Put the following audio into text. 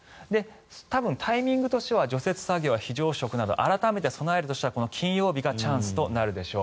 多分、タイミングとしては除雪作業や非常食など改めて備えるとしたらこの金曜日がチャンスとなるでしょう。